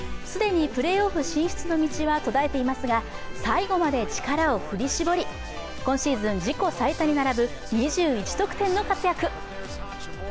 既にプレーオフ進出の道は途絶えていますが、最後まで力を振り絞り今シーズン自己最多に並ぶ２１得点の活躍。